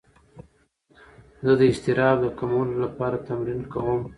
زه د اضطراب د کمولو لپاره تمرین کوم.